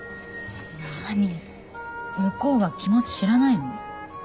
何向こうは気持ち知らないの？